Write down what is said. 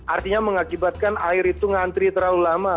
artinya mengakibatkan air itu ngantri terlalu lama